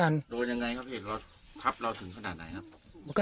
โดนยังไงครับพี่เราทับเราถึงขนาดไหนครับ